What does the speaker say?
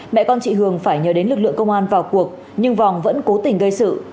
mẹ con chị hường phải nhờ đến lực lượng công an vào cuộc nhưng vòng vẫn cố tình gây sự